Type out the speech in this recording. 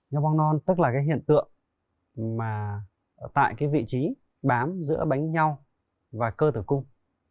giao bong non tức là cái hiện tượng mà ở tại cái vị trí bám giữa bánh nhau và cơ tử cung